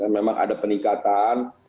memang ada peningkatan